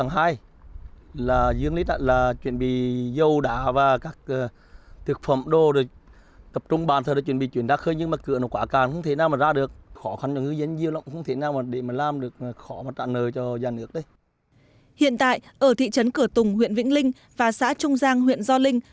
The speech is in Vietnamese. hiện tại ở thị trấn cửa tùng huyện vĩnh linh và xã trung giang huyện gio linh